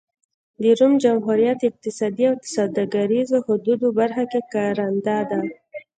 د روم جمهوریت اقتصادي او سوداګریزو حدودو برخه کې کارنده ده.